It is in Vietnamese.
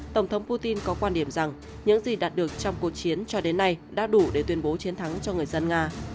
tổng thống putin có quan điểm rằng những gì đạt được trong cuộc chiến cho đến nay đã đủ để tuyên bố chiến thắng cho người dân nga